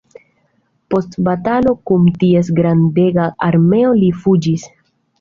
Post batalo kun ties grandega armeo li fuĝis.